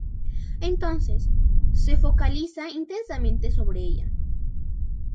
Entonces se focaliza intensamente sobre ella.